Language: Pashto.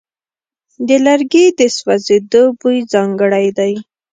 د لرګي د سوځېدو بوی ځانګړی دی.